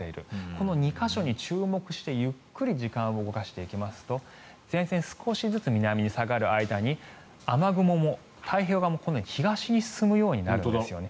この２か所に注目してゆっくり時間を動かしていきますと前線、少しずつ南に下がる間に雨雲も太平洋側の東に進むようになるんですね。